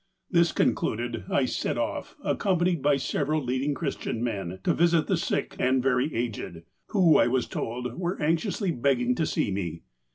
This concluded, I set off, accompanied by several leading Christian men, to visit the sick and very aged, who, I was told, were anxiously begging to see me.